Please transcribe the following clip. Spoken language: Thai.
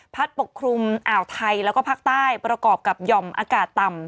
ปกคลุมอ่าวไทยแล้วก็ภาคใต้ประกอบกับหย่อมอากาศต่ำ